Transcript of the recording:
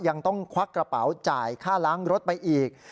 ยังต้องควักกระเป๋าจ่ายค่าล้างรถไปอีก